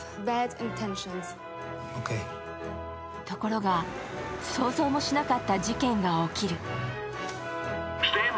ところが、想像もしなかった事件が起きる。